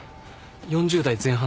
４０代前半だと。